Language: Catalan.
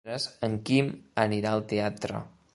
Divendres en Quim anirà al teatre.